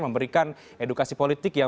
memberikan edukasi politik